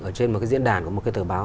ở trên một cái diễn đàn của một cái tờ báo